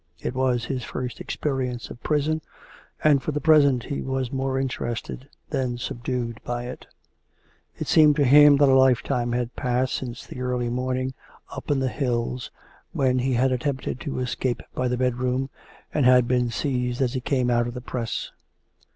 It was his first experience of prison, and, for the present, he was more interested than subdued by it. It seemed to him that a lifetime had passed since the early morning, up in the hills, when he had attempted to escape by the bedroom, and had been seized as he came out of the press.